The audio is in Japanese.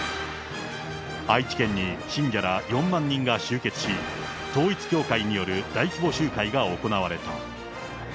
愛知県に信者ら４万人が集結し、統一教会による大規模集会が行われた。